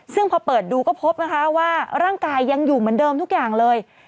ซึ่งพอเปิดดูก็พบนะคะว่าร่างกายยังอยู่เหมือนเดิมทุกอย่างเลย